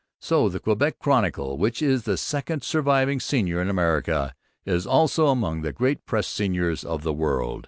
So the Quebec Chronicle, which is the second surviving senior in America, is also among the great press seniors of the world.